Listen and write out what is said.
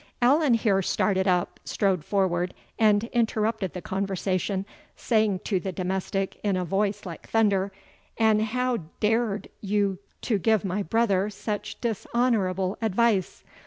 Allan here started up, strode forward, and interrupted the conversation, saying to the domestic in a voice like thunder, "And how dared you to give my brother such dishonourable advice?